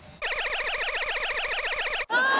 ああ！